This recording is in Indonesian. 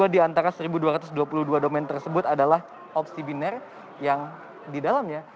sembilan puluh dua diantara seribu dua ratus dua puluh dua domain tersebut adalah opsi binar yang didalamnya